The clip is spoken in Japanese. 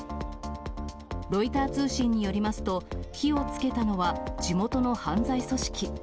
ロイター通信によりますと、火をつけたのは地元の犯罪組織。